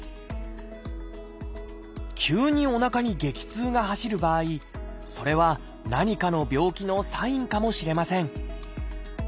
急におなかに激痛が走る場合それは何かの病気のサインかもしれません。